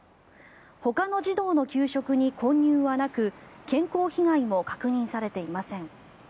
ほかの児童の給食に混入はなく健康被害も確認されていません。